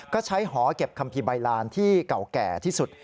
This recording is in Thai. ก็ใช้หอเก็บคัมภีร์ใบลานที่เก่าแก่ที่สุด